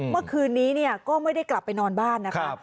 เมื่อคืนนี้ก็ไม่ได้กลับไปนอนบ้านนะคะ